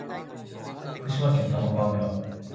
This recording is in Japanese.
福島県玉川村